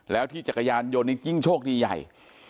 แล้วที่จักรยานยนต์นี่ยิ่งโชคดีใหญ่